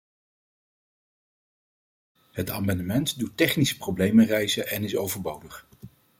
Het amendement doet technische problemen rijzen en is overbodig.